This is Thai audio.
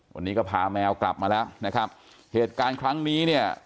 วันนี้ก็พาแมวกลับมาแล้วนะครับเหตุการณ์ครั้งนี้เนี่ย